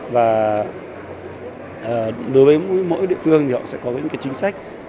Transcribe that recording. và đối với mỗi địa phương thì họ sẽ có những cái chính sách